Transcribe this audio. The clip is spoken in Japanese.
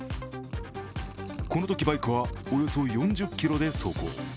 このときバイクはおよそ４０キロで走行。